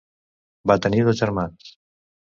Va tenir dos germans.